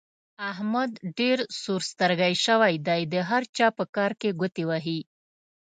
احمد ډېر سور سترګی شوی دی؛ د هر چا په کار کې ګوتې وهي.